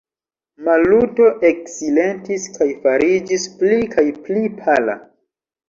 Maluto eksilentis kaj fariĝis pli kaj pli pala.